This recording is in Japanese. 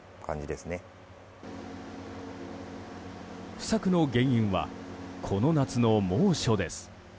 不作の原因はこの夏の猛暑です。